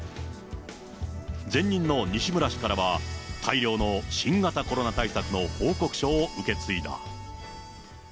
前任の西村氏からは、大量の新型コロナ対策の報告書を受け継いだ。